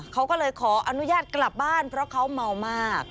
เขาก็เลยขออนุญาตกลับบ้านเพราะเขาเมามาก